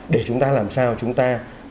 để chúng ta làm sao chúng ta